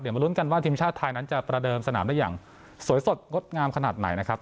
มาลุ้นกันว่าทีมชาติไทยนั้นจะประเดิมสนามได้อย่างสวยสดงดงามขนาดไหนนะครับ